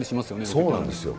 そうなんですよ。